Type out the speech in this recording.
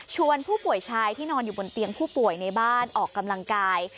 ผู้ป่วยชายที่นอนอยู่บนเตียงผู้ป่วยในบ้านออกกำลังกาย